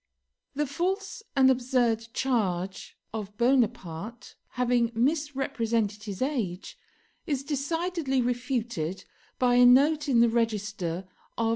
The false and absurd charge of Bonaparte having misrepresented his age, is decidedly refuted by a note in the register of M.